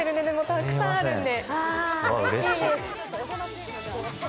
たくさんあるんで。